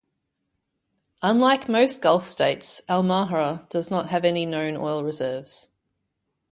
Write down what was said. Unlike most Gulf states, Al Mahra does not have any known oil reserves.